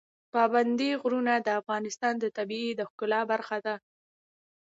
پابندی غرونه د افغانستان د طبیعت د ښکلا برخه ده.